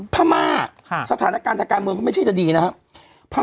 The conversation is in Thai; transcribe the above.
พม่าสถานการณ์ทางการเมืองก็ไม่ใช่จะดีนะครับ